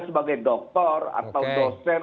sebagai doktor atau dosen